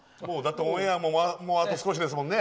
オンエアもあと少しですもんね。